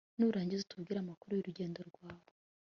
nurangiza utubwire amakuru yurugendo rwawe